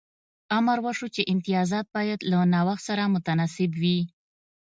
امر وشو چې امتیازات باید له نوښت سره متناسب وي.